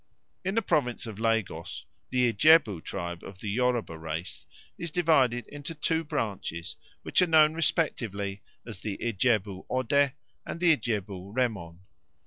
In the province of Lagos, the Ijebu tribe of the Yoruba race is divided into two branches, which are known respectively as the Ijebu Ode and the Ijebu Remon.